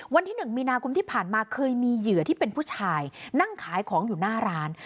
วันที่๑มีนาคมที่ผ่านมาเคยมีเหยื่อที่เป็นผู้ชายนั่งขายของอยู่หน้าร้าน